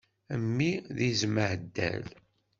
Mmi d izem aheddal.